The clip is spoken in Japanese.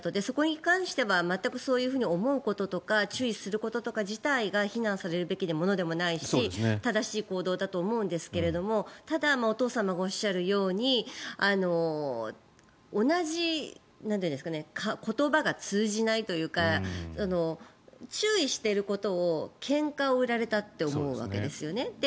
そこに関しては全くそういうふうに思うこととか注意すること自体が非難されるべきものでもないし正しい行動だと思うんですがただ、お父様がおっしゃるように同じ言葉が通じないというか注意していることをけんかを売られたって思うわけですよね。